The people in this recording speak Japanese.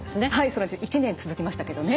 それで１年続きましたけどね。